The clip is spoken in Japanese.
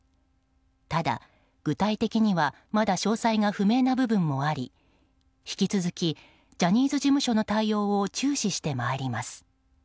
ただ、具体的にはまだ詳細が不明な部分もあり引き続き、ジャニーズ事務所の対応を注視してまいります。